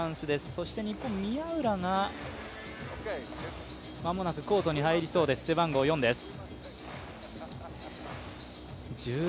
そして日本、宮浦がまもなくコートに入りそうです、背番号４です。